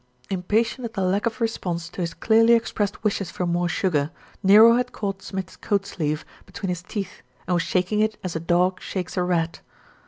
Impatient at the lack of response to his clearly ex pressed wishes for more sugar, Nero had caught Smith's coat sleeve between his teeth, and was shaking it as a dog shakes a rat.